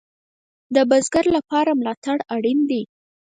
د بزګر لپاره ملاتړ اړین دی